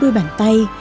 đôi bàn tay